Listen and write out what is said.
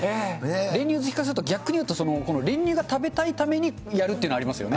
練乳好きからすると、逆に言うと、この練乳が食べたいためにやるっていうの、ありますよね。